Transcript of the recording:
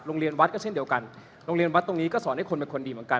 โรงเรียนวัดก็เช่นเดียวกันโรงเรียนวัดตรงนี้ก็สอนให้คนเป็นคนดีเหมือนกัน